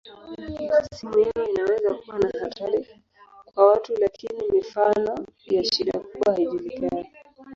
Sumu yao inaweza kuwa na hatari kwa watu lakini mifano ya shida kubwa haijulikani.